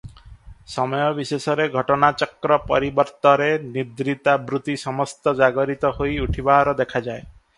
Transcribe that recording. ସମୟ ବିଶେଷରେ ଘଟନାଚକ୍ର ପରିବର୍ତ୍ତରେ ନିଦ୍ରିତା ବୃତ୍ତି ସମସ୍ତ ଜାଗରିତ ହୋଇ ଉଠିବାର ଦେଖାଯାଏ ।